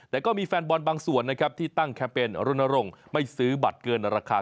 แต่ก็มีแฟนบอลบางส่วนนะครับที่ตั้งแคมเปญรณรงค์ไม่ซื้อบัตรเกินราคา